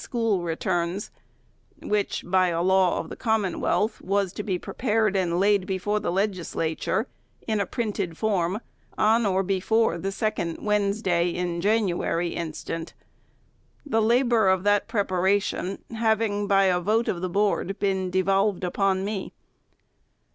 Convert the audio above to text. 385 School Returns," which, by a law of the Commonwealth, was to be prepared and laid before the Legislature, in a printed form, on or before the second Wednesday in Jan uary inst. :— the labor of that preparation having, by a vot3 of the Board, been devolved upon me.